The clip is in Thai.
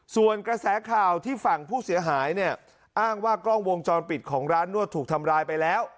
ส่วนกระแสข่าวที่ฝั่งผู้เสียหายเนี่ยอ้างว่ากล้องวงจรปิดของร้านนวดถูกทำร้ายไปแล้ว